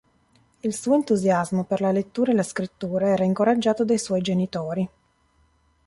Il suo entusiasmo per la lettura e la scrittura era incoraggiato dai suoi genitori.